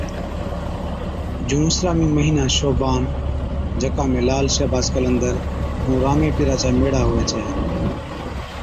جُون اسلامي مھِينا شعبان، جڪا ۾ لعل شھباز قلندر ائُون رامي پيرا چا ميڙا ھُوي ڇَي